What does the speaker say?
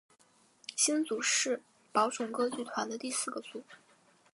星组是宝冢歌剧团的第四个组。